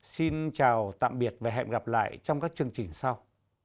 xin chào tạm biệt và hẹn gặp lại trong các chương trình sau